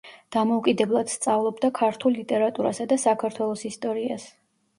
დამოუკიდებლად სწავლობდა ქართულ ლიტერატურასა და საქართველოს ისტორიას.